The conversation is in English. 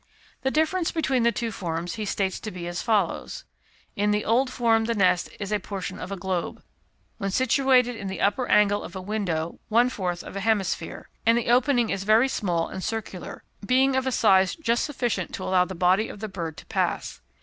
The difference between the two forms he states to be as follows. In the old form the nest is a portion of a globe when situated in the upper angle of a window one fourth of a hemisphere and the opening is very small and circular, being of a size just sufficient to allow the body of the bird to pass.